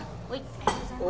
ありがとうございます。